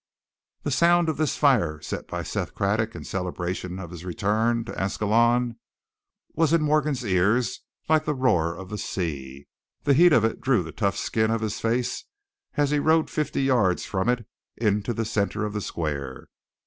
The sound of this fire set by Seth Craddock in celebration of his return to Ascalon was in Morgan's ears like the roar of the sea; the heat of it drew the tough skin of his face as he rode fifty yards from it into the center of the square.